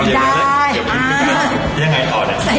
เอาเย็บเลยยังไงถอดอ่ะ